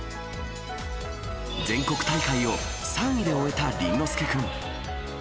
全国大会を３位で終えた倫之亮君。